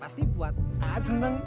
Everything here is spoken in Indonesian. pasti buat kakak seneng